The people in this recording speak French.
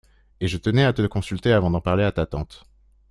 Et je tenais à te consulter avant d’en parler à ta tante.